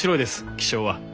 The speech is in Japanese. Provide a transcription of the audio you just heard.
気象は。